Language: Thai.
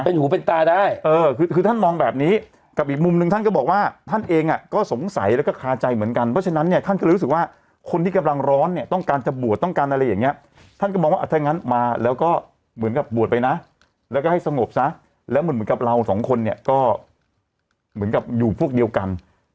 เป็นหูเป็นตาได้เออคือท่านมองแบบนี้กับอีกมุมหนึ่งท่านก็บอกว่าท่านเองอ่ะก็สงสัยแล้วก็คาใจเหมือนกันเพราะฉะนั้นเนี่ยท่านก็เลยรู้สึกว่าคนที่กำลังร้อนเนี่ยต้องการจะบวชต้องการอะไรอย่างเงี้ยท่านก็มองว่าถ้างั้นมาแล้วก็เหมือนกับบวชไปนะแล้วก็ให้สงบซะแล้วมันเหมือนกับเราสองคนเนี่ยก็เหมือนกับอยู่พวกเดียวกัน